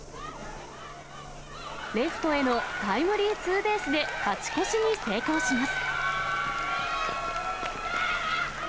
レフトへのタイムリーツーベースで勝ち越しに成功します。